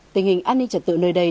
tình hình an ninh trả tự nơi đây